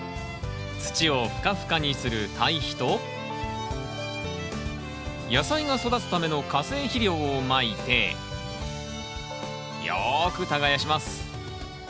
土をふかふかにする堆肥と野菜が育つための化成肥料をまいてよく耕します。